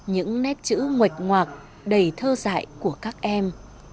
những nét chữ nguệch ngoạc đầy thơ dại của các em